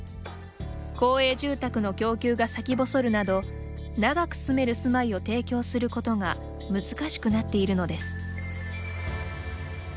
公営住宅の供給が先細るなど長く住める住まいを提供することが難しくなっているのです。